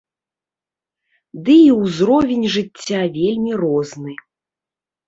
Ды і ўзровень жыцця вельмі розны.